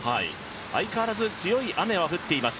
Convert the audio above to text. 相変わらず強い雨は降っています。